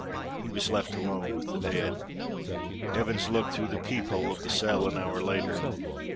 He was left alone with the dead. Evans looked through the peep hole of the cell an hour later.